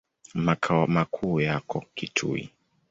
Makao makuu yako Kitui.